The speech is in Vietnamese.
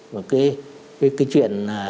một cái chuyện